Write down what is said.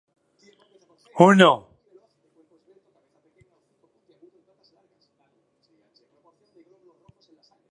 Sin embargo no han tenido igual difusión.